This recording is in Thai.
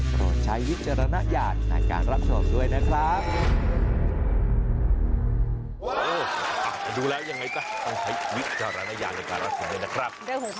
ใช้วิจารณญาณในการรับชมด้วยนะครับ